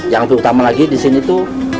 yang terutama lagi di sini tuh